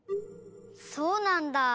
そうなんだ。